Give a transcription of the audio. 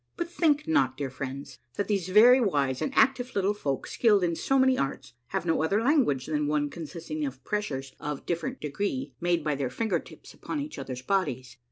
But think not, dear friends, that these very wise and active little folk, skilled in so many arts, have no other language than one consisting of pressures of different degree, made by their finger tips upon each other's bodies.